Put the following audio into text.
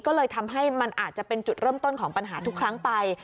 ก็เลยทำให้มันอาจจะเป็นจุดเริ่มต้นของปัญหาทุกครั้งไป